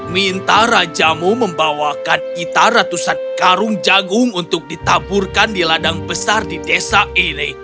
minta rajamu membawakan ita ratusan karung jagung untuk ditaburkan di ladang besar di desa ini